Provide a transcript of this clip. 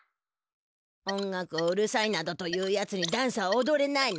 音楽をうるさいなどと言うやつにダンスはおどれないのじゃ。